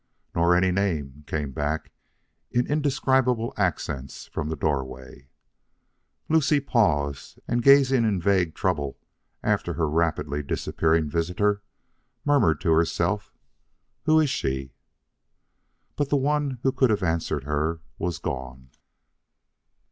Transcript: "Nor any name," came back in indescribable accents from the doorway. Lucie paused, and gazing in vague trouble after her rapidly disappearing visitor, murmured to herself, "Who is she?" But the one who could have answered her was gone.